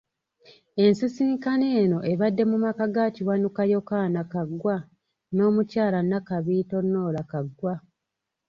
Ensisinkano eno ebadde mu maka ga Kiwanuka Yokana Kaggwa n'omukyala Nakabiito Norah Kaggwa.